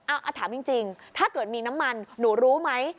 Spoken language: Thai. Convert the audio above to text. ถามจริงถ้าเกิดมีน้ำมันหนูรู้ไหม